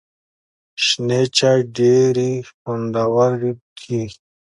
شنې چای ډېري خوندوري دي .